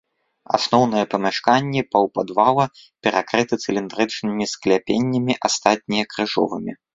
Асноўныя памяшканні паўпадвала перакрыты цыліндрычнымі скляпеннямі, астатнія крыжовымі.